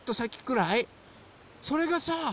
それがさ